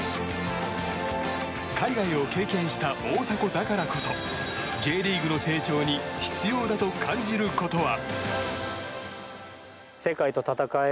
海外を経験した大迫だからこそＪリーグの成長に必要だと感じることは。